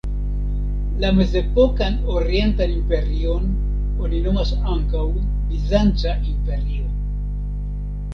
La Mezepokan Orientan Imperion oni nomas ankaŭ Bizanca imperio.